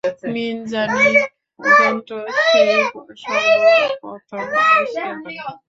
মিনজানীক যন্ত্র সে-ই সর্ব প্রথম আবিষ্কার করে।